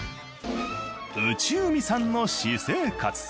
内海さんの私生活。